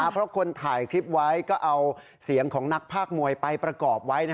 เพราะคนถ่ายคลิปไว้ก็เอาเสียงของนักภาคมวยไปประกอบไว้